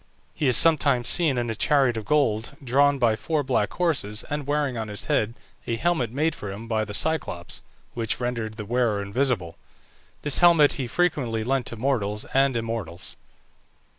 He is sometimes seen in a chariot of gold, drawn by four black horses, and wearing on his head a helmet made for him by the Cyclops, which rendered the wearer invisible. This helmet he frequently lent to mortals and immortals.